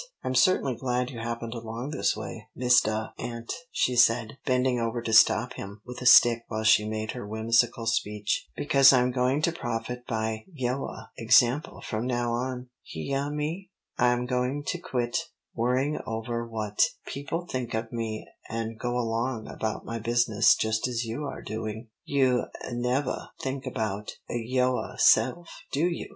"I'm certainly glad you happened along this way, Mistah Ant," she said, bending over to stop him with a stick while she made her whimsical speech. "Because I'm going to profit by yoah example from now on. Heah me? I'm going to quit worrying over what people may think of me and go along about my business just as you are doing. You nevah think about yoahself, do you!